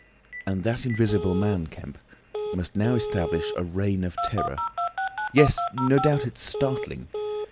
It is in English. And that Invisible Man, Kemp, must now establish a Reign of Terror. Yes; no doubt it's startling.